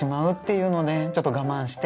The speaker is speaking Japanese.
ちょっと我慢して。